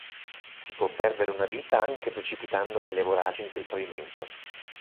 Si può perdere una vita anche precipitando nelle voragini del pavimento.